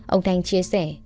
ông thanh chia sẻ